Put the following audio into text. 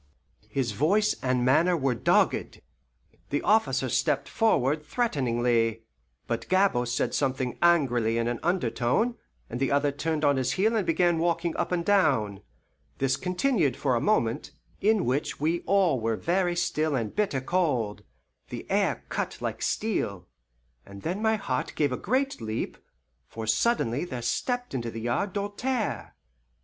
His voice and manner were dogged. The officer stepped forward threateningly; but Gabord said something angrily in an undertone, and the other turned on his heel and began walking up and down. This continued for a moment, in which we all were very still and bitter cold the air cut like steel and then my heart gave a great leap, for suddenly there stepped into the yard Doltaire.